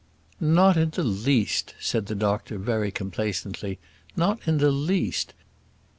"Not in the least," said the doctor very complacently. "Not in the least.